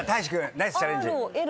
ナイスチャレンジ。